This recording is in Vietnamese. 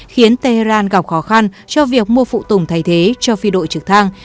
khiến tehran gặp khó khăn cho việc mua phụ tùng thay thế cho phi đội trực thăng